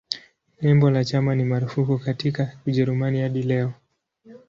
Nembo la chama ni marufuku katika Ujerumani hadi leo.